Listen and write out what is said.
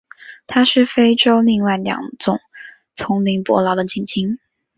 它们是非洲另外两种丛林伯劳的近亲。